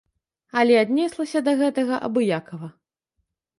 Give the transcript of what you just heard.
Але аднеслася да гэтага абыякава.